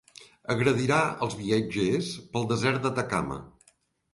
Agredirà els viatgers pel desert d'Atacama.